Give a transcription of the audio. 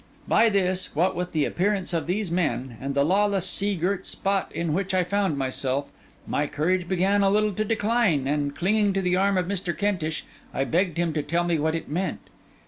By this, what with the appearance of these men, and the lawless, sea girt spot in which I found myself, my courage began a little to decline, and clinging to the arm of Mr. Kentish, I begged him to tell me what it meant?